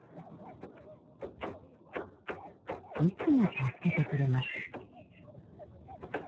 いつも助けてくれます。